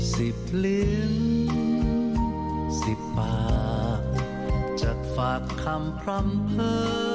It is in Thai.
สิบลิ้นสิบปากจัดฝากคำพรำเผอ